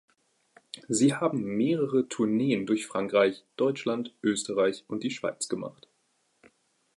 Sie haben mehrere Tourneen durch Frankreich, Deutschland, Österreich und die Schweiz gemacht.